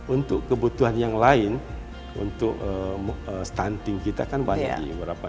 untuk kebutuhan yang lain untuk stunting kita kan banyak